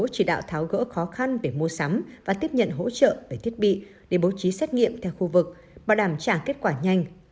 chỉ đạo tháo gỡ khó khăn về mua sắm và tiếp nhận hỗ trợ về thiết bị để bố trí xét nghiệm theo khu vực bảo đảm trả kết quả nhanh